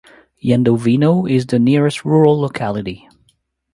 Yendovino is the nearest rural locality.